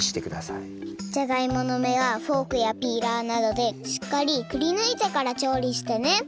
じゃがいものめはフォークやピーラーなどでしっかりくりぬいてからちょうりしてね